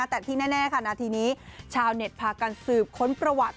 แต่ที่แน่ค่ะนาทีนี้ชาวเน็ตพากันสืบค้นประวัติ